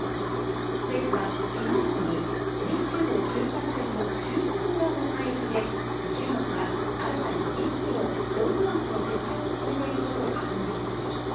政府は昨日までに日中の中間線の中国側の海域で中国が新たに１基の構造物の設置を進めていることを確認しています。